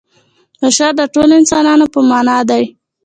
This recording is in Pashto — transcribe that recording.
بشر د ټولو انسانانو په معنا دی.